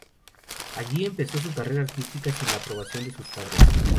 Allí empezó su carrera artística sin la aprobación de sus padres.